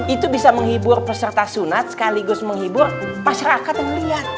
itu bisa menghibur peserta sunat sekaligus menghibur pasyarakat yang liat